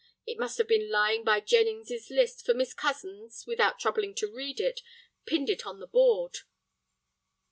It must have been lying by Jennings's list, for Miss Cozens, without troubling to read it, pinned it on the board."